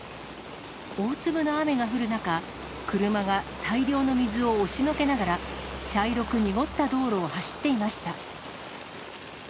大粒の雨が降る中、車が大量の水を押しのけながら、茶色く濁った道路を走っていました。